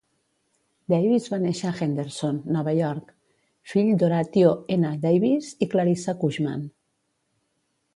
Davis va néixer a Henderson, Nova York, fill d'Horatio N. Davis i Clarissa Cushman.